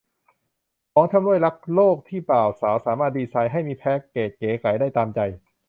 ของชำร่วยรักษ์โลกที่บ่าวสาวสามารถดีไซน์ให้มีแพ็กเกจเก๋ไก๋ได้ตามใจ